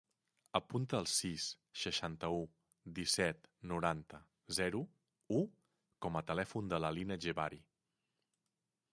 Apunta el sis, seixanta-u, disset, noranta, zero, u com a telèfon de la Lina Jebari.